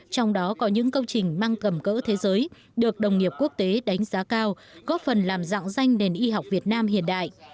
trong đó có những công trình mang cầm cỡ thế giới được đồng nghiệp quốc tế đánh giá cao góp phần làm dạng danh nền y học việt nam hiện đại